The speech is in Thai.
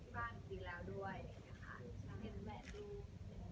เพราะบ้านก็ได้การคุยกับบ้านดีแล้วด้วย